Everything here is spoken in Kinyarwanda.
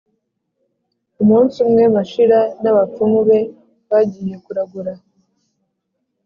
umunsi umwe, mashira n’abapfumu be bagiye kuragura